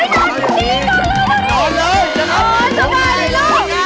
สุดยาชสุดยาช